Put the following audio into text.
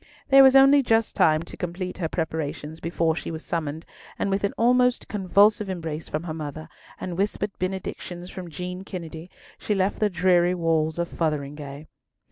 There was only just time to complete her preparations before she was summoned; and with an almost convulsive embrace from her mother, and whispered benedictions from Jean Kennedy, she left the dreary walls of Fotheringhay.